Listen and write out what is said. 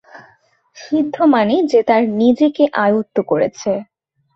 সিদ্ধ মানে যে তার নিজেকে আয়ত্ত করেছে।